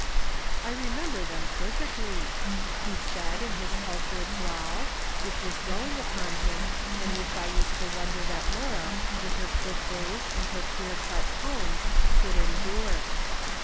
" I remember them perfectly," he said in his cul tured drawl, which was growing upon him, and which I used to wonder that Laura, with her quick ways and her clear cut tones, could endure.